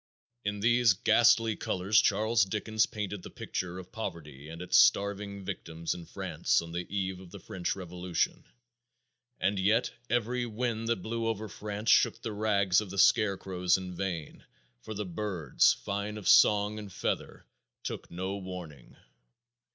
_In these ghastly colors Charles Dickens painted the picture of poverty and its starving victims in France on the eve of the French revolution, and yet, "every wind that blew over France shook the rags of the scarecrows in vain, for the birds, fine of song and feather took no warning."